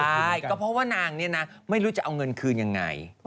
ใช่ก็เพราะว่านางเนี่ยนะไม่รู้จะเอาเงินคืนยังไง